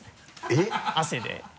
えっ？汗で。